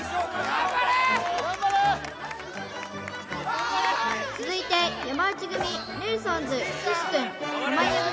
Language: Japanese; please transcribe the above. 頑張れ続いて山内組ネルソンズ岸くん濱家組